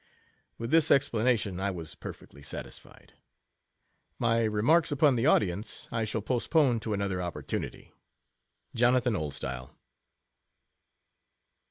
With this Wpla nation I was perfectly satisfied. My remarks upon the audience, I shall postpone to another opportunity. Jonathan Oldstyle.